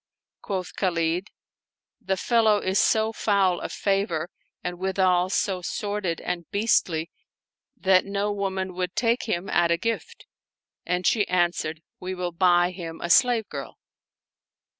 Quoth Khalid, "The fellow is so foul of favor and withal so sordid and beastly that no woman would take him at a gift" And she answered, " We will buy him a slave girl."